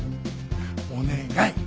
お願い！